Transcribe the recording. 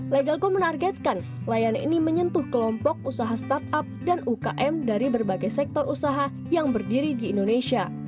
legal go menargetkan layanan ini menyentuh kelompok usaha startup dan ukm dari berbagai sektor usaha yang berdiri di indonesia